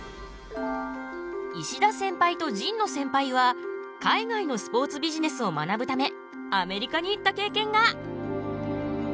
石田センパイと陳野センパイは海外のスポーツビジネスを学ぶためアメリカに行った経験が。